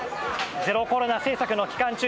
ゼロコロナ政策の期間中